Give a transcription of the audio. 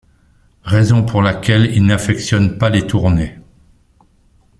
Raison pour laquelle il n’affectionne pas les tournées.